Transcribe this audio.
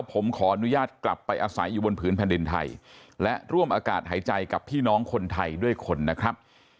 ผมขออนุญาตกลับไปอาศัยอยู่บนผืนแผ่นดินไทยและร่วมอากาศหายใจกับพี่น้องคนไทยด้วยคนนะครับ